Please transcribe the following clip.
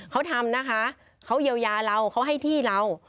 เขาทำนะคะเขาเยียวยาเราเขาให้ที่เรา